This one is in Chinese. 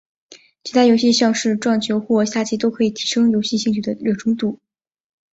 其他游戏像是撞球或下棋都可以提升游戏兴趣的热衷度。